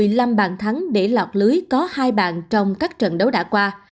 u hai mươi ba việt nam đã ghi được một mươi năm bàn thắng để lọt lưới có hai bàn trong các trận đấu đã qua